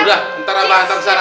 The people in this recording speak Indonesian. udah ntar abang hantar ke sana